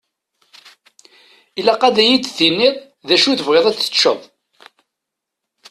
Ilaq ad yi-d-tiniḍ d acu i tebɣiḍ ad teččeḍ.